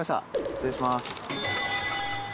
失礼します。